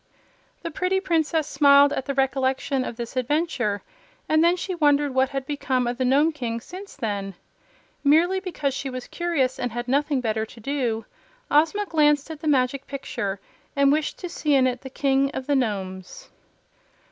The pretty Princess smiled at the recollection of this adventure, and then she wondered what had become of the Nome King since then. Merely because she was curious and had nothing better to do, Ozma glanced at the Magic Picture and wished to see in it the King of the Nomes.